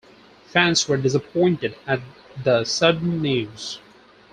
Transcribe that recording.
Fans were disappointed at the sudden news.